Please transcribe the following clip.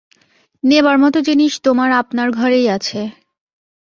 নেবার মতো জিনিস তোমার আপনার ঘরেই আছে।